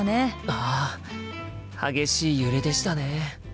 ああ激しい揺れでしたね。